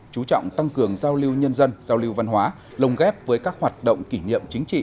chú trọng tăng cường giao lưu nhân dân giao lưu văn hóa lồng ghép với các hoạt động kỷ niệm chính trị